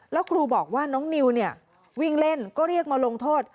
แล้วครูบอกว่าน้องนิวเนี่ยวิ่งเล่นก็เรียกมาลงโทษ